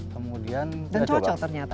kemudian dan cocok ternyata